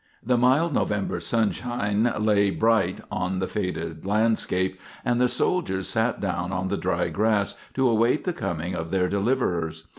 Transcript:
The mild November sunshine lay bright on the faded landscape, and the soldiers sat down on the dry grass to await the coming of their deliverers.